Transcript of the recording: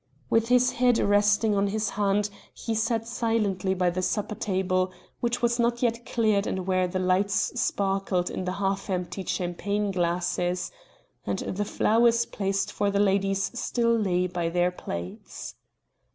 With his head resting on his hand he sat silent by the supper table, which was not yet cleared and where the lights sparkled in the half empty champagne glasses, and the flowers placed for the ladies still lay by their plates.